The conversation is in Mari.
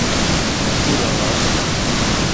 Куралаш